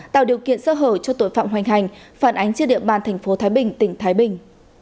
tạo điều kiện sơ hở cho tội phạm hoành hành phản ánh trên địa bàn thành phố thái bình tỉnh thái bình